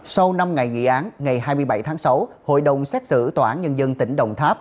sau năm ngày nghị án ngày hai mươi bảy tháng sáu hội đồng xét xử tòa án nhân dân tỉnh đồng tháp